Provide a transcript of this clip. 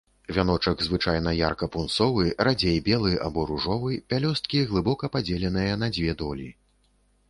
Вяночак звычайна ярка-пунсовы, радзей белы або ружовы, пялёсткі глыбока падзеленыя на дзве долі.